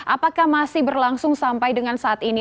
apakah masih berlangsung sampai dengan saat ini